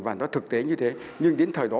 và nó thực tế như thế nhưng đến thời đó